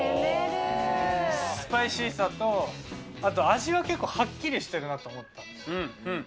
スパイシーさと、後味が結構はっきりしてるなと思ったんですよね。